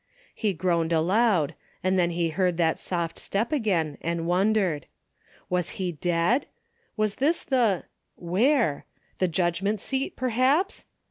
He groaned aloud, and then he heard that soft step again and wondered. Was he dead? Was this the — where? the judgment seat — perhaps?